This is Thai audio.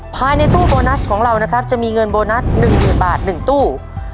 ภายในตู้โบนัสของเรานะครับจะมีเงินโบนัส๑๐๐๐บาท๑ตู้